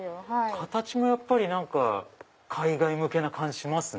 形も海外向けな感じしますね。